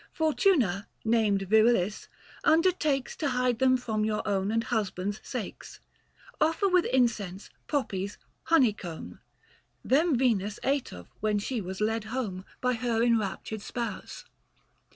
Fortuna, named Virilis, undertakes To hide them for your own and husband's sakes. 165 Offer with incense, poppies, honeycomb, Them Venus ate of when she was led home, Book IV. THE FASTI. 107 By her enraptured spouse.